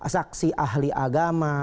saksi ahli agama